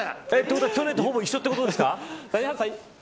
去年とほぼ一緒ということですか。